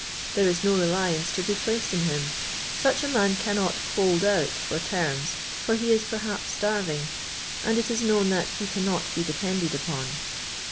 There is no reliance to be placed in him. Such a man cannot " hold out" for terms, for he is perhaps starving, and it is known that " he cannot be depended upon."